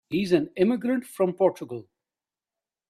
He's an immigrant from Portugal.